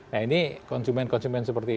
nah ini konsumen konsumen seperti